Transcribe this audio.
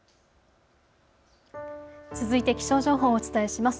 続いて気象情報をお伝えします。